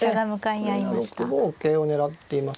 これは６五桂を狙っています。